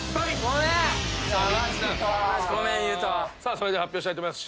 それでは発表したいと思います。